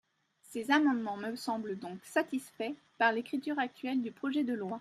Ces amendements me semblent donc satisfaits par l’écriture actuelle du projet de loi.